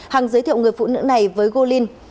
hằng giới thiệu người phụ nữ này với gô linh